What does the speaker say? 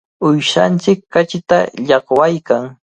Uyshanchik kachita llaqwaykan.